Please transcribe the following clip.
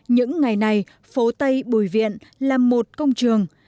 những ngày này phố tây bùi viện là một công trường